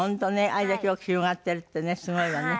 あれだけ大きく広がっているってねすごいわね。